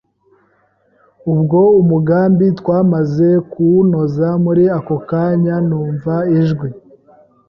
ubwo umugambi twamaze kuwunoza, muri ako kanya numva ijwi